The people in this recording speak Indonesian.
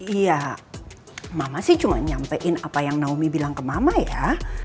iya mama sih cuma nyampein apa yang naomi bilang ke mama ya